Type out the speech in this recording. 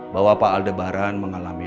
bahwa pak aldebaran mengalami